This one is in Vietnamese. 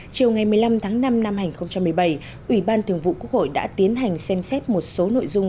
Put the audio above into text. chiều ngày một mươi năm tháng năm năm hai nghìn một mươi bảy ủy ban thường vụ quốc hội đã tiến hành xem xét một số nội dung